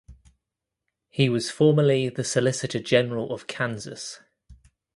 He was formerly the Solicitor General of Kansas.